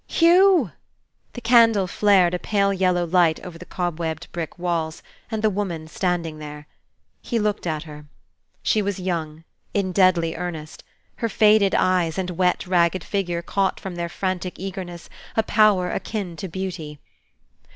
"Hugh!" The candle flared a pale yellow light over the cobwebbed brick walls, and the woman standing there. He looked at her. She was young, in deadly earnest; her faded eyes, and wet, ragged figure caught from their frantic eagerness a power akin to beauty.